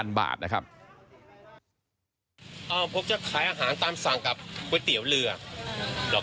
นะครับเอาพวกเจ้าขายอาหารตามสั่งกับก๋วยเตี๋ยวเรือแล้ว